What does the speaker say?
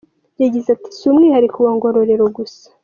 Yagize ati "Si umwihariko wa Ngororero gusa.